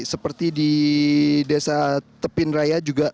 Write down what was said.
seperti di desa tepin raya juga